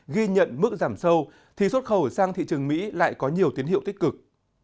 ghi nhận mức giảm sâu thì xuất khẩu sang thị trường mỹ lại có nhiều tiến hiệu tích cực